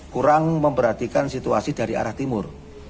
kurang memperhatikan situasi dari arah timur